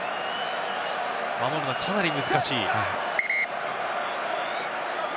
守るのはかなり難しい。